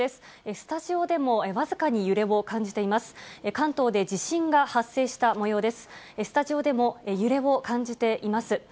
スタジオでも揺れを感じています。